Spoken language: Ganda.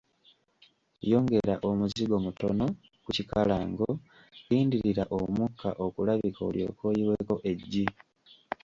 Yongera omuzigo mutono ku kikalango, lindirira omukka okulabika olyoke oyiweko eggi.